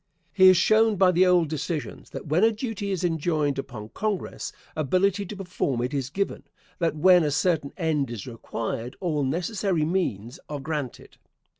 He has shown by the old decisions, that when a duty is enjoined upon Congress, ability to perform it is given; that when a certain end is required, all necessary means are granted.